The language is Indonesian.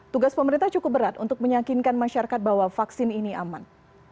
tugas pemerintah cukup berat untuk meyakinkan masyarakat bahwa vaksin ini aman